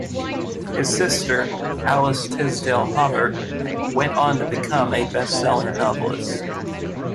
His sister, Alice Tisdale Hobart, went on to become a bestselling novelist.